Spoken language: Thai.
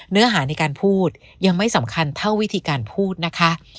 เนื้อหาในการพูดยังไม่สำคัญเท่าวิธีการพูดนะคะ